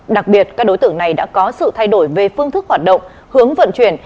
đặc biệt các đối tượng này đã có sự thay đổi về phương thức hoạt động hướng vận chuyển